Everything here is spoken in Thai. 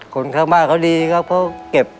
คนข้างบ้านเขาดีครับเขาเก็บ